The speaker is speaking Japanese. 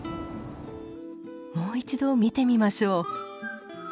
もう一度見てみましょう。